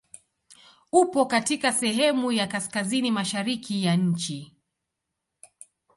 Upo katika sehemu ya kaskazini mashariki ya nchi.